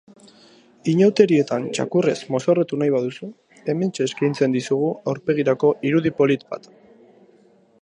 Inauterietan txakurrez mozorrotu nahi baduzu, hementxe eskaintzen dizugu aurpegirako irudi polit bat.